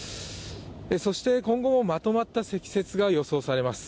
そして、今後もまとまった積雪が予想されます。